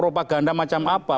propaganda macam apa